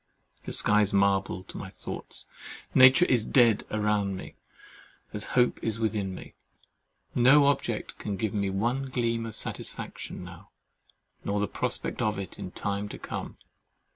The sky is marble to my thoughts; nature is dead around me, as hope is within me; no object can give me one gleam of satisfaction now, nor the prospect of it in time to come.